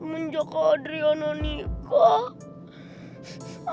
menjak adriana nikah